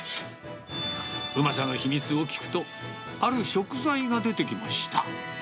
うまさの秘密を聞くと、ある食材が出てきました。